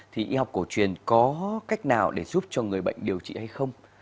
thì y học cổ truyền có cách nào để giúp cho người bệnh điều trị hay không